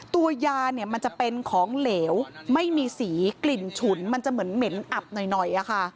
ตัวยาเนี่ยมันจะเป็นของเหลวไม่มีสีกลิ่นฉุนมันจะเหมือนเหม็นอับหน่อย